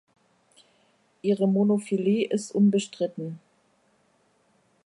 Ihre Monophylie ist unbestritten.